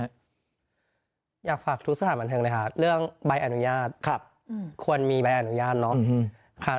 อยากฝากทุกสถานบันเทิงเลยครับเรื่องใบอนุญาตควรมีใบอนุญาตเนาะ